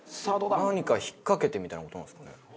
何か引っかけてみたいな事なんですかね？